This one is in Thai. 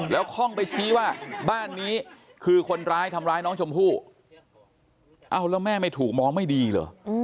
แล้วข้องไปชี้ว่าบ้านนี้คือคนร้ายทำร้ายน้องชมพู่เอ้าแล้วแม่ไม่ถูกมองไม่ดีเหรอ